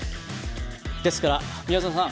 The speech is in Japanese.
ですから宮澤さん